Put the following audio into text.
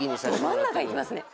ど真ん中行きますね。